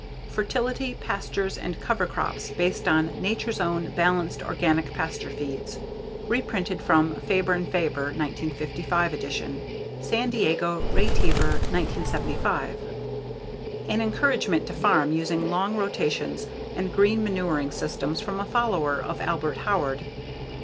Fertility, Pastures and Cover Crops Based on Nature's Own Balanced Organic Pasture Feeds. reprinted from: Faber and Faber, 1955. ed., San Diego: Rateaver, 1975. An encouragement to farm using long rotations and green manuring systems from a follower of Albert Howard.